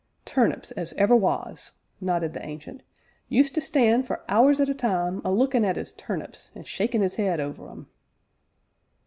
"Turnips as ever was!" nodded the Ancient, "used to stand, for hours at a time, a lookin' at 'is turnips an' shakin' 'is 'ead over 'em."